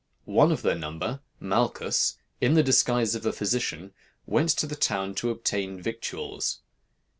"One of their number, Malchus, in the disguise of a physician, went to the town to obtain victuals.